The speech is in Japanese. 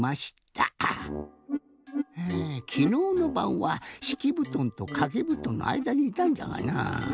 はあきのうのばんはしきぶとんとかけぶとんのあいだにいたんだがなぁ。